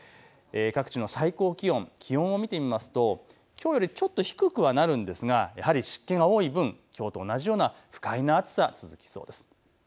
各地の最高気温を見てみますときょうよりちょっと低くはなるんですがやはり湿気が多い分きょうと同じような不快な暑さが続きそうです。